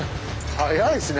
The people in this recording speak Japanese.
速いですね。